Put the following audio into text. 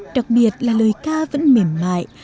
đặc biệt là lời ca vẫn mềm mại